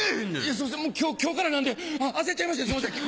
すいません今日からなんで焦っちゃいましてすいません。